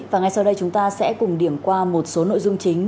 và ngay sau đây chúng ta sẽ cùng điểm qua một số nội dung chính